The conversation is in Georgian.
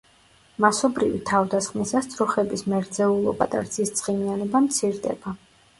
მასობრივი თავდასხმისას ძროხების მერძეულობა და რძის ცხიმიანობა მცირდება.